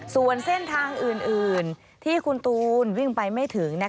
ส่วนเส้นทางอื่นที่คุณตูนวิ่งไปไม่ถึง